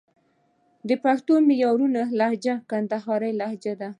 د پښتو معیاري لهجه کندهارۍ لجه ده